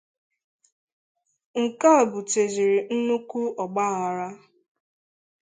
Nke a butereziri nnukwu ọgba aghara